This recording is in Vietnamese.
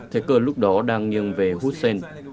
thế cờ lúc đó đang nghiêng về hussein